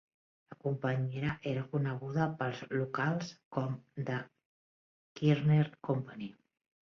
La companyia era coneguda pels locals com The Kerner Company.